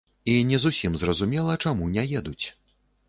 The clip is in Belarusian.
І не зусім зразумела, чаму не едуць.